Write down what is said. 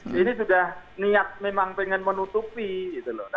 jadi ini sudah niat memang pengen menutupi gitu loh